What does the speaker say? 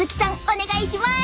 お願いします！